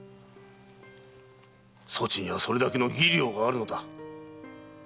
そちにはそれだけの技量があるのだ。